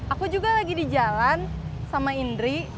aku juga lagi di jalan sama indri